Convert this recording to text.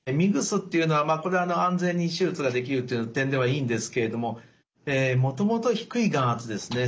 ＭＩＧＳっていうのはこれは安全に手術ができるっていう点ではいいんですけれどももともと低い眼圧ですね